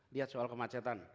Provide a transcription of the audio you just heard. lihat soal kemacetan